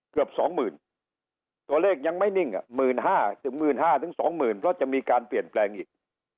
เกือบ๒หมื่นตัวเลขยังไม่นิ่งมืนห้าถึงมืนห้าถึง๒หมื่นเพราะจะมีการเปลี่ยนแปลงอีก